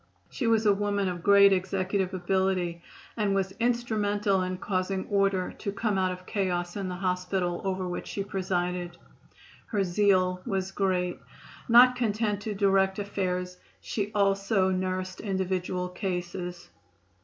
She was a woman of great executive ability, and was instrumental in causing order to come out of chaos in the hospital over which she presided. Her zeal was great. Not content to direct affairs, she also nursed individual cases.